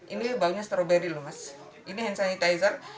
ini baunya stroberi loh mas ini hand sanitizer